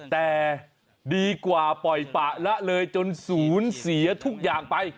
แต่ดีกว่าปล่อยปะละเลยจนศูนย์เสียทุกอย่างไป